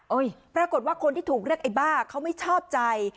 ปรากฏว่าคนที่ถูกเรียกไอ้บ้าเขาไม่ชอบใจ